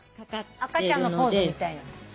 赤ちゃんのポーズみたいな。